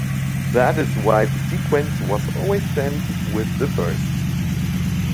That is why the sequence was always sent with the first.